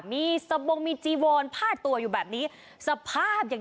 มีสบงมีจีวอนผ้าตัวอยู่แบบนี้สภาพอย่าง